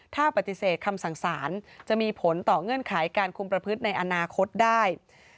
ถ้าปฏิเสธคำสั่งสารจะมีผลต่อเงื่อนไขการคุมประพฤติในอนาคตได้